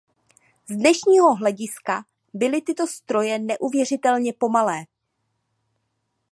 Z dnešního hlediska byly tyto stroje neuvěřitelně pomalé.